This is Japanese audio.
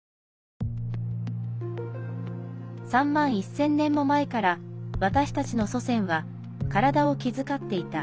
３万１０００年も前から私たちの祖先は体を気遣っていた。